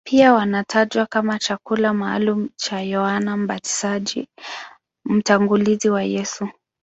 Pia wanatajwa kama chakula maalumu cha Yohane Mbatizaji, mtangulizi wa Yesu.